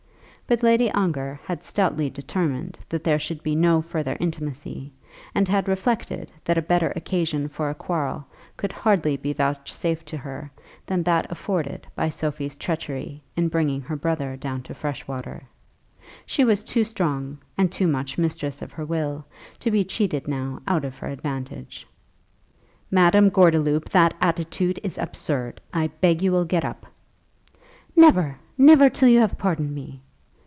But Lady Ongar had stoutly determined that there should be no further intimacy, and had reflected that a better occasion for a quarrel could hardly be vouchsafed to her than that afforded by Sophie's treachery in bringing her brother down to Freshwater. She was too strong, and too much mistress of her will, to be cheated now out of her advantage. "Madame Gordeloup, that attitude is absurd; I beg you will get up." "Never; never till you have pardoned me."